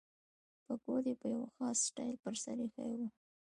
پکول یې په یو خاص سټایل پر سر اېښی وو.